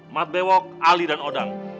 mat bewok ali dan odang